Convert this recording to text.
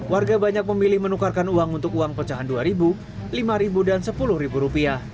warga banyak memilih menukarkan uang untuk uang pecahan rp dua rp lima dan rp sepuluh